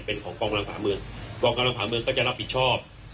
เป็นของกองกำลังผ่าเมืองกองกำลังผ่าเมืองก็จะรับผิดชอบ